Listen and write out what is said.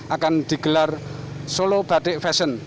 akan digelar solo batik fashion